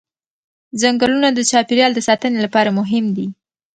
ځنګلونه د چاپېریال د ساتنې لپاره مهم دي